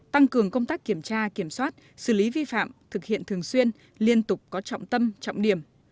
tăng cường công tác kiểm tra kiểm soát xử lý vi phạm thực hiện thường xuyên liên tục có trọng tâm trọng điểm